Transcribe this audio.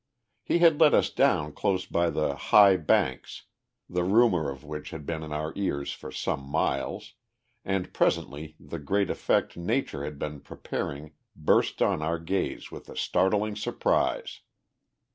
He had let us down close by the "High Banks," the rumour of which had been in our ears for some miles, and presently the great effect Nature had been preparing burst on our gaze with a startling surprise.